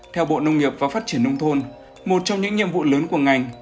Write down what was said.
theo bộ nông nghiệp và phát triển nông thôn một trong những nhiệm vụ lớn của ngành